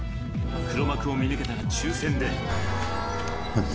黒幕を見抜けたら抽せんで。